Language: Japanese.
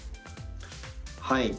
はい。